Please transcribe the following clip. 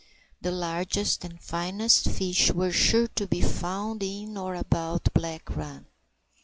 The largest and finest fish were sure to be found in or about Black Run.